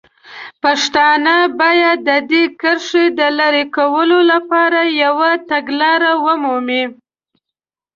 پښتانه باید د دې کرښې د لرې کولو لپاره یوه تګلاره ومومي.